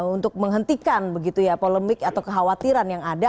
untuk menghentikan polemik atau kekhawatiran yang ada